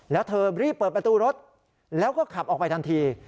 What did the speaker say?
แล้วเธอรีบเปิดประตูรถแล้วก็ขับออกไปทันที